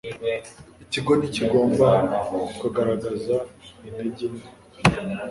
Ikigo ntikigomba kugaragaza integer nke